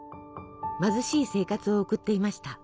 貧しい生活を送っていました。